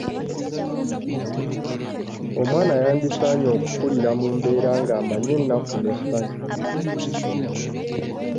Omwana yandisaanye okukulira mu mbeera ng'amanyi ennaku n'essanyu.